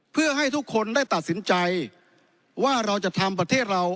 เพื่อให้ทุกคนได้ตัดสินใจว่าเราจะทำประเทศเรา